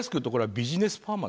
ビジネスパーマ？